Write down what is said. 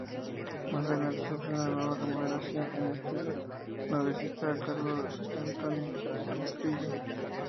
Más adelante, sufrió una nueva remodelación en estilo novecentista, a cargo de Antoni Utrillo.